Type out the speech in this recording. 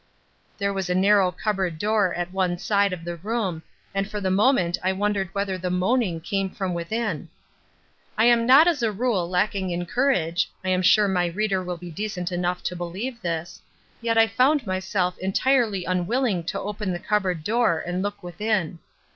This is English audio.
There was a narrow cupboard door at one side of the room, and for the moment I wondered whether the moaning came from within. I am not as a rule lacking in courage (I am sure my reader will be decent enough to believe this), yet I found myself entirely unwilling to open the cupboard door and look within.